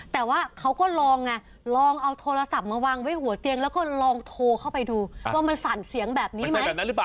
แต่ว่าเขาก็ลองไงลองเอาโทรศัพท์มาวางไว้หัวเตียงแล้วก็ลองโทรเข้าไปดูว่ามันสั่นเสียงแบบนี้ไหม